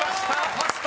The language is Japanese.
「パスタ」